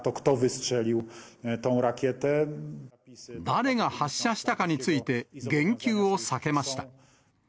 誰が発射したかについて、言及を避けました。